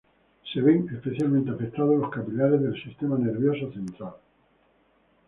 Se ven especialmente afectados los capilares del sistema nervioso central.